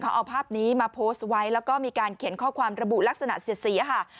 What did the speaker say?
เขาเอาภาพนี้มาโพสต์ไว้แล้วก็มีการเขียนข้อความระบุลักษณะเสียค่ะ